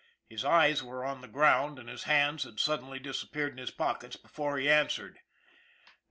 His eyes were on the ground and his hands had suddenly disappeared in his pockets before he answered.